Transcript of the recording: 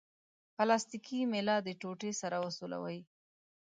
پلاستیکي میله د ټوټې سره وسولوئ.